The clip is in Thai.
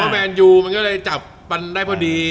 แมนยูมันก็เลยจับมันได้พอดี